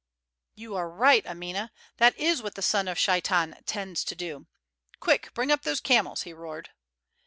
"You are right, Amina; that is what the son of Sheitan intends to do. Quick! bring up those camels," he roared.